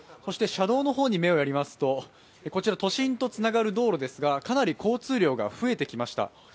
車道の方に目をやりますとこちら都心とつながる道路ですが、かなり交通量が増えてきました。